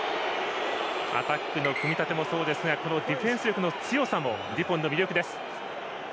アタックの組み立てもそうですがこのディフェンス力の強さもデュポンの魅力です。